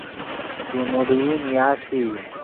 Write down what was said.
پیموڑئی نیاستئی